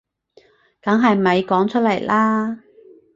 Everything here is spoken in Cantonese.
梗係咪講出嚟啦